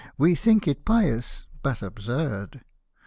We think it pious, but absurd.